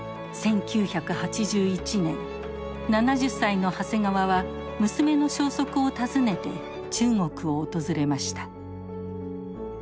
１９８１年７０歳の長谷川は娘の消息を尋ねて中国を訪れました。